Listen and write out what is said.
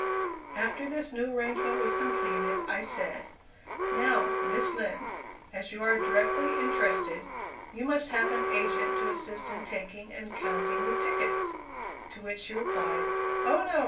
After this new arrangement was completed, I said: "Now, Miss Lind, as you are directly interested, you must have an agent to assist in taking and counting the tickets"; to which she replied, "Oh, no!